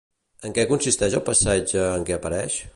En què consisteix el passatge en què apareix?